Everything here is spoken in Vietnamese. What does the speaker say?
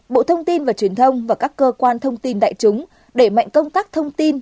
một mươi hai bộ thông tin và truyền thông và các cơ quan thông tin đại chúng để mạnh công tác thông tin